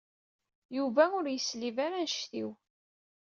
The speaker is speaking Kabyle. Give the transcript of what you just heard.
Yuba ur yeslib ara anect-iw.